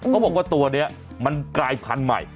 เขาบอกว่าตัวนี้มันกลายพันธุ์ใหม่